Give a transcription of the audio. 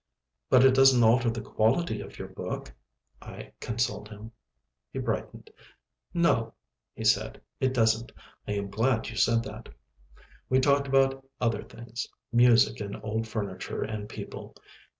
"But it doesn't alter the quality of your book," I consoled him. He brightened, "No," he said, "it doesn't; I am glad you said that." We talked about other things, music and old furniture and people.